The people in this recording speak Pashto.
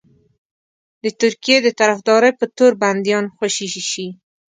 د ترکیې د طرفدارۍ په تور بنديان خوشي شي.